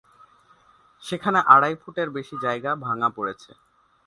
সেখানে আড়াই ফুটের বেশি জায়গা ভাঙা পড়েছে।